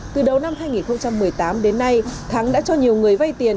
từ đầu năm hai nghìn một mươi tám đến nay thắng đã cho nhiều người vay tiền